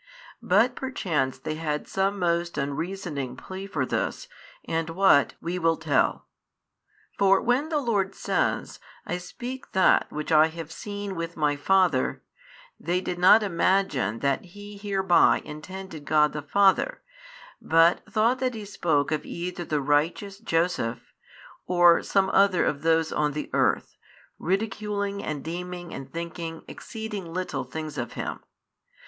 But perchance they had some most unreasoning plea for this, and what, we will tell. For when the Lord says, I speak that which I have seen with My Father, they did not imagine that He hereby intended God the Father, but thought that He spoke of either the righteous Joseph, or some other of those on the earth, ridiculing and deeming and thinking exceeding little things of Him.